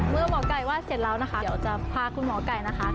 เมื่อหมอไก่ว่าเสร็จแล้วนะคะเดี๋ยวจะพาคุณหมอไก่นะคะ